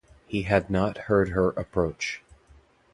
He had not heard her approach.